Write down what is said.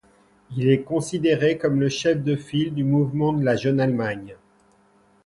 Il est considéré comme le chef de file du mouvement de la Jeune-Allemagne.